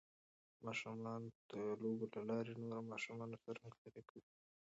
ماشومان د لوبو له لارې د نورو ماشومانو سره همکاري کوي.